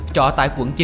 trọ tại quận chín